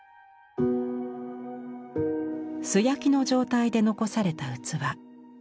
素焼きの状態で残された器。